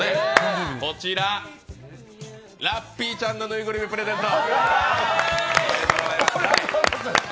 こちら、ラッピーちゃんのぬいぐるみ、プレゼント。